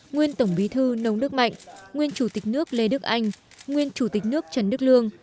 nguyên tổng bí thư nông đức mạnh nguyên chủ tịch nước lê đức anh nguyên chủ tịch nước trần đức lương